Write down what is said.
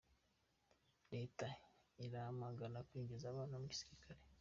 Leta iramagana kwinjiza abana mu gisirikare